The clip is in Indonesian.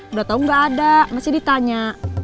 udah tau gak ada masih ditanya